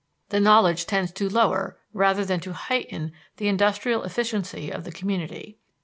The knowledge tends to lower rather than to heighten the industrial efficiency of the community.